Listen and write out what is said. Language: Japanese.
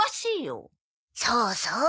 そうそう。